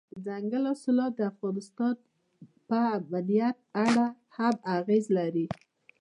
دځنګل حاصلات د افغانستان د امنیت په اړه هم اغېز لري.